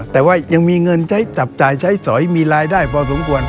แต่ว่ายังมีเงินใช้จับจ่ายใช้สอยมีรายได้พอสมควร